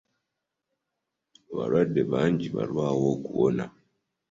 Abalwadde bangi balwawo okuwona.